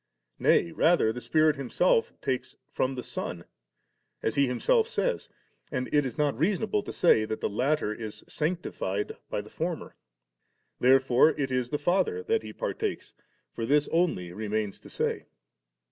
Nay, rather the Spirit Himself takes from the Son, as He Himself says ; and it is not reasonable to say that the latter b sanctified by the former. Therefore it is the Father that He partakes ; for this only remains to say.